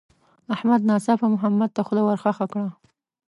احمد ناڅاپه محمد ته خوله ورخښه کړه.